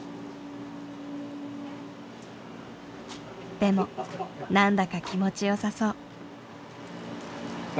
でも何だか気持ちよさそう。